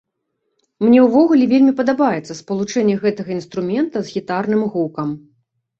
Мне ўвогуле вельмі падабаецца спалучэнне гэтага інструмента з гітарным гукам.